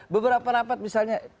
beberapa rapat misalnya